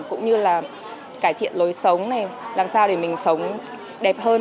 cũng như là cải thiện lối sống này làm sao để mình sống đẹp hơn